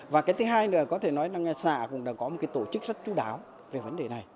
và cái thứ hai là có thể nói là nghe xã cũng đã có một tổ chức rất chú đáo về vấn đề này